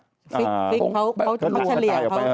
ฟิกเค้าจะเฉลี่ยออกไป